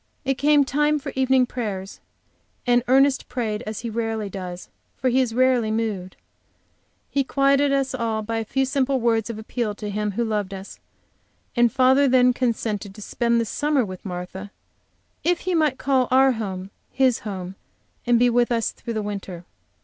It came time for evening prayers, and Ernest prayed as he rarely does, for he is rarely so moved. He quieted us all by a few simple words of appeal to Him who loved us, and father then consented to spend the summer with Martha if he might call our home his home, and be with us through the winter.